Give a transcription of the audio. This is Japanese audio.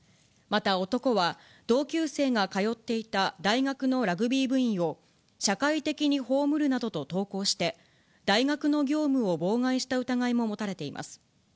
また男は同級生が通っていた大学のラグビー部員を、社会的に葬るなどと投稿して、大学の業務を妨害した疑いも持たれています。